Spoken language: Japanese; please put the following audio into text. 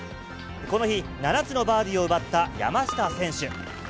この日、７つのバーディーを奪った山下選手。